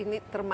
ini sudah dikira